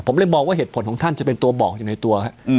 ผมเลยมองว่าเหตุผลของท่านจะเป็นตัวบอกอยู่ในตัว